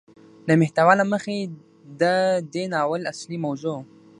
د محتوا له مخې ده دې ناول اصلي موضوع